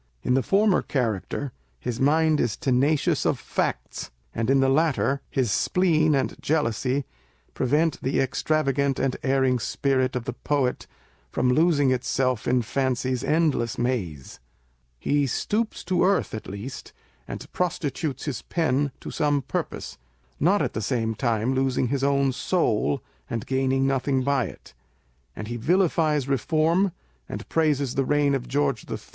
In the former character his mind is tenacious of facts ; and in the latter, his spleen and jealousy prevent the " extra vagant and erring spirit " of the poet from losing itself in Fancy's endless maze. He " stoops to earth" at least, and prostitutes his pen to some purpose (not at the same time losing his own soul, and gaining nothing by it) and he vilifies Reform, and praises the reign of George III.